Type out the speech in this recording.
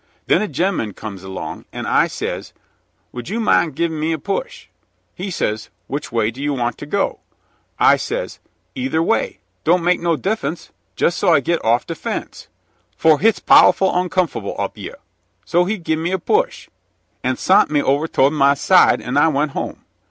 Then a gem'en comes along, an' I says, "Would you min' givin' me a push?" He says, "Which way you want to go?" I says, "Either way don't make no dif'unce, jes' so I git off de fence, for hit's pow'ful oncom'fable up yer." So he give me a push, an' sont me over to'ard ma side, an' I went home.